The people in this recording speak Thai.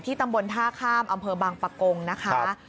ตำบลท่าข้ามอำเภอบางปะกงนะคะ